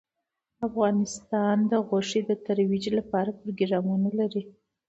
افغانستان د غوښې د ترویج لپاره پروګرامونه لري.